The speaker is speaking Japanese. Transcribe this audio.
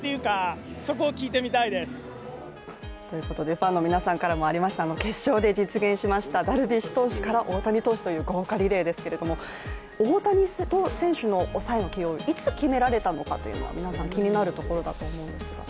ファンの皆さんからもありました、決勝で実現しましたダルビッシュ投手から大谷投手という豪華リレーですけれども大谷選手の抑えの起用をいつ決められたのか皆さん気になるところだと思うんですが。